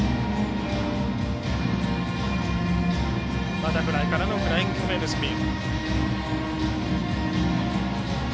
バタフライからのフライングキャメルスピン。